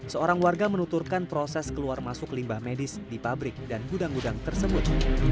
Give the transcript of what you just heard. seorang warga menuturkan proses keluar masuk limbah medis di pabrik dan gudang gudang tersebut